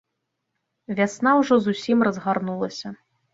Вясна ўжо зусім разгарнулася.